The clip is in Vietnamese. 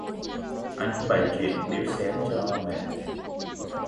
Anh cứ bày chuyện biếu xén cho mệt